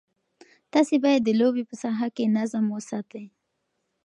تاسي باید د لوبې په ساحه کې نظم وساتئ.